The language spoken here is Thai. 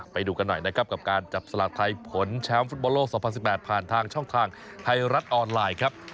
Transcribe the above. ไปดูกันหน่อยนะครับกับการจับสลากไทยผลแชมป์ฟุตบอลโลก๒๐๑๘ผ่านทางช่องทางไทยรัฐออนไลน์ครับ